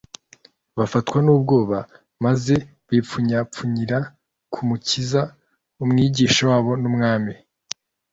Bafatwa n'ubwoba maze bipfunyapfiuzyira ku Mukiza Umwigisha wabo n'Umwami,